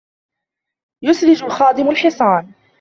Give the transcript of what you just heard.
يُسْرِجُ الْخَادِمُ الْحِصَانَ.